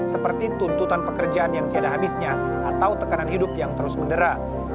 seperti tuntutan pekerjaan yang tiada habisnya atau tekanan hidup yang terus mendera